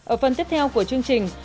ở phần tiếp theo của chương trình